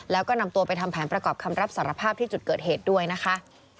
แล้วก็นำตัวไปทำแผนประกอบคำรับสารภาพที่จุดเกิดเหตุด้วยนะคะ